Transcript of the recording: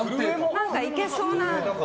何かいけそうな。